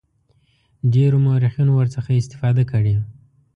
ډیرو مورخینو ورڅخه استفاده کړې.